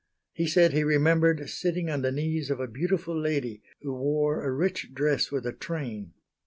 He said he remembered sitting on the knees of a beautiful lady who wore a rich dress with a train.